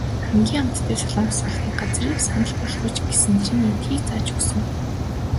Хамгийн амттай солонгос хоолны газрыг санал болгооч гэсэн чинь эндхийг зааж өгсөн.